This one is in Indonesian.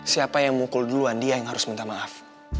siapa yang mukul duluan dia yang harus minta maaf